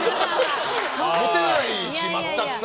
モテないし、全くさ。